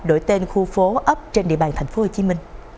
đổi tên khu phố ấp trên địa bàn tp hcm